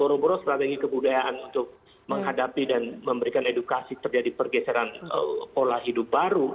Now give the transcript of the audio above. boro boro strategi kebudayaan untuk menghadapi dan memberikan edukasi terjadi pergeseran pola hidup baru